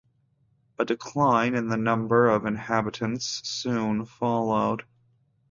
A decline in the number of inhabitants soon followed.